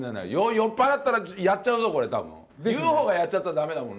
酔っ払ったらやっちゃうぞ、これたぶん。